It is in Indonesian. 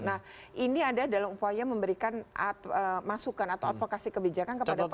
nah ini ada dalam upaya memberikan masukan atau advokasi kebijakan kepada pemerintah